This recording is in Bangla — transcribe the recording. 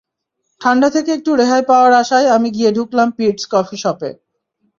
ঠান্ডা থেকে একটু রেহাই পাওয়ার আশায় আমি গিয়ে ঢুকলাম পিটস কফি শপে।